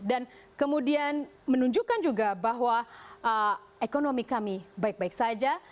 dan kemudian menunjukkan juga bahwa ekonomi kami baik baik saja